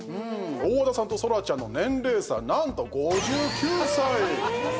大和田さんと、そらちゃんの年齢差、なんと５９歳！